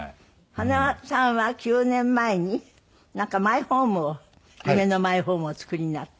塙さんは９年前になんかマイホームを夢のマイホームをお作りになった。